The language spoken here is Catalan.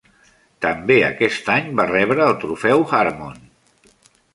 També aquest any va rebre el Trofeu Harmon.